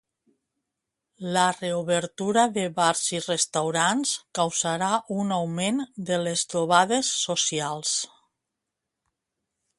La reobertura de bars i restaurants causarà un augment de les trobades socials.